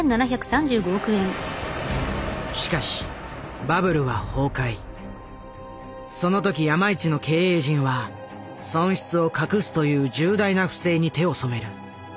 しかしその時山一の経営陣は損失を隠すという重大な不正に手をそめる。